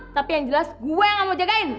tapi yang jelas gue yang nggak mau jagain